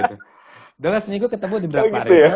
udah lah seminggu ketemu di beberapa hari